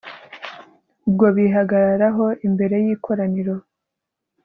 ubwo bihagararagaho imbere y'ikoraniro